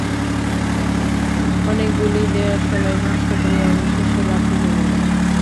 অনেকগুলি দেশালাই নষ্ট করিয়া অবশেষে বাতি জ্বলিল।